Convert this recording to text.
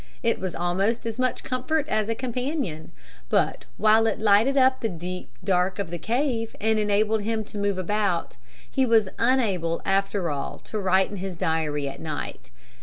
It was almost as much comfort as a companion. But while it lighted up the deep dark of the cave and enabled him to move about, he was unable after all to write in his diary at night.